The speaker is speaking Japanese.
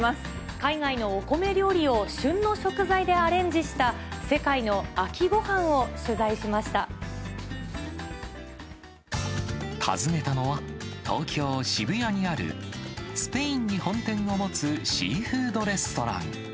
海外のお米料理を旬の食材でアレンジした、訪ねたのは、東京・渋谷にあるスペインに本店を持つシーフードレストラン。